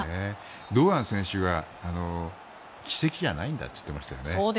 堂安選手が奇跡じゃないんだと言ってましたね。